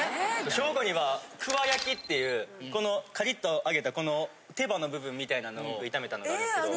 兵庫にはくわ焼きっていうこのカリッと揚げたこの手羽の部分みたいなのを炒めたのがあるんですけど。